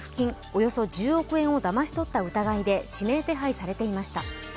およそ１０億円をだまし取った疑いで指名手配されていました。